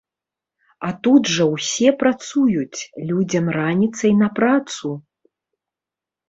А тут жа ўсе працуюць, людзям раніцай на працу!